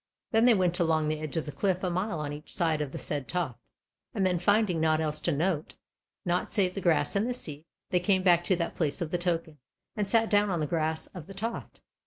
Then they went along the edge of the cliff a mile on each side of the said toft, and then finding naught else to note, naught save the grass and the sea, they came back to that place of the token, and sat down on the grass of the toft.